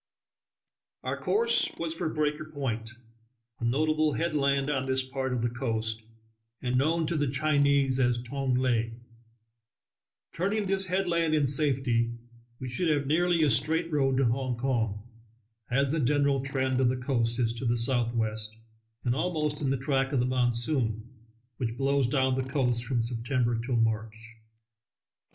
Our course was for Breaker Point, a notable headland on this part of the coast, and known to the Chinese as Tong Lae; turning this headland in safety, we should have nearly a straight road to Hong Kong, as the general trend of the coast is to the southwest, and almost in the track of the mon soon, which blows down the coast from Septem ber till March.